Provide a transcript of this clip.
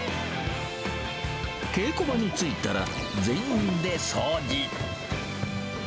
稽古場に着いたら、全員で掃除。